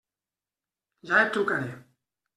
Ja et trucaré.